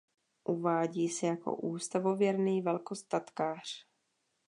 Uvádí se jako ústavověrný velkostatkář.